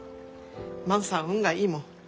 万さん運がいいもん。